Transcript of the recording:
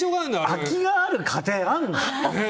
空きがある家庭あるの？